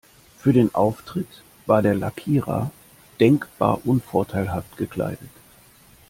Für den Auftritt war der Lackierer denkbar unvorteilhaft gekleidet.